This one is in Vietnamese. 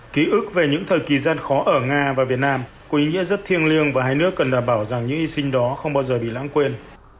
ký ức về những thời kỳ gian khó ở nga và việt nam có ý nghĩa rất thiêng liêng và hai nước cần đảm bảo rằng những hy sinh đó không bao giờ bị lãng quên